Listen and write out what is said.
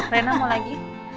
rena mau lagi